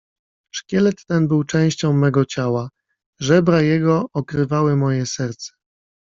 Szkielet ten był częścią mego ciała, żebra jego okrywały moje serce.